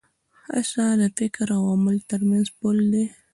هڅه د فکر او عمل تر منځ پُل دی.